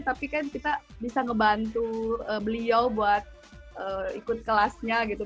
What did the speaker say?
tapi kan kita bisa ngebantu beliau buat ikut kelasnya gitu